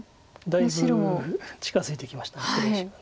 だいぶ近づいてきました黒石が。